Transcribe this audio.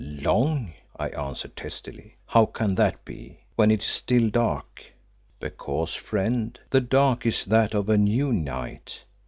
"Long?" I answered testily. "How can that be, when it is still dark?" "Because, friend, the dark is that of a new night.